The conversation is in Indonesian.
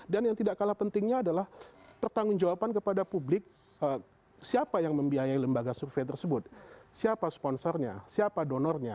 yang tidak kalah pentingnya adalah pertanggung jawaban kepada publik siapa yang membiayai lembaga survei tersebut siapa sponsornya siapa donornya